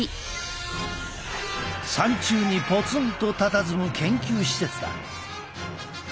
山中にぽつんとたたずむ研究施設だ。